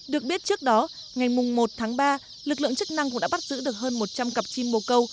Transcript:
được biết trước đó ngày một tháng ba lực lượng chức năng cũng đã bắt giữ được hơn một trăm linh cặp chim mồ câu